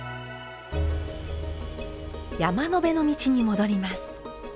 山辺の道に戻ります。